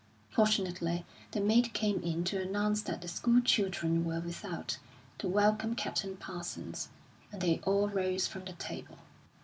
Fortunately, the maid came in to announce that the school children were without, to welcome Captain Parsons; and they all rose from the table.